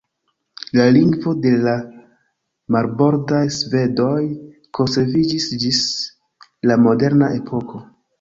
La lingvo de la marbordaj svedoj konserviĝis ĝis la moderna epoko.